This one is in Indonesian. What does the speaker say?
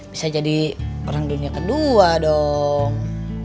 bisa jadi orang dunia kedua dong